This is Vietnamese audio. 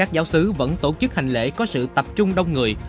các giáo sứ vẫn tổ chức hành lễ có sự tập trung đông người